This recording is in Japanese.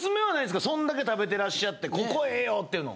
そんだけ食べてらっしゃって「ここええよ！」っていうの。